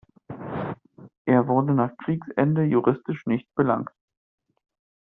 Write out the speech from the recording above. Er wurde nach Kriegsende juristisch nicht belangt.